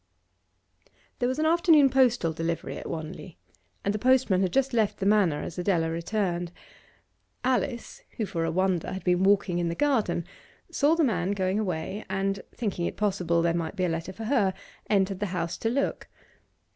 There was an afternoon postal delivery at Wanley, and the postman had just left the Manor as Adela returned. Alice, who for a wonder had been walking in the garden, saw the man going away, and, thinking it possible there might be a letter for her, entered the house to look.